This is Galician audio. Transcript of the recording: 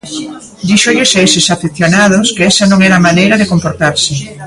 Díxolles a eses afeccionados que esa non era a maneira de comportarse.